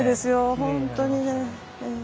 本当にね。